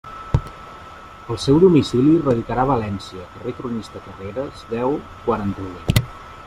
El seu domicili radicarà a València, carrer Cronista Carreres, deu, quaranta-vuit.